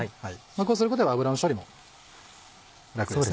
こうすることで油の処理も楽ですね。